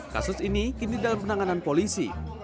kasus ini kini dalam penanganan polisi